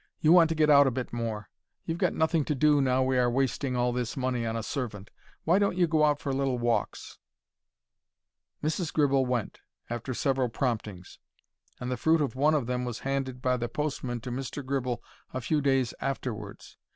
"You want to get out a bit more. You've got nothing to do now we are wasting all this money on a servant. Why don't you go out for little walks?" Mrs. Gribble went, after several promptings, and the fruit of one of them was handed by the postman to Mr. Gribble a few days afterwards.